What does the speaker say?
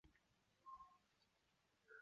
父亲戈启宗。